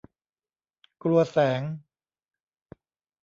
กลัวแสง